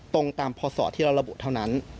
ตรงตามพศที่เราระบุเท่านั้น